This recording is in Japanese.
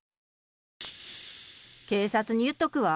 警察にゆっとくわ。